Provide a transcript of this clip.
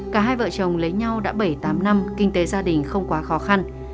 cả hai vợ chồng lấy nhau đã bảy tám năm kinh tế gia đình không quá khó khăn